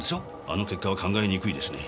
あの結果は考えにくいですね。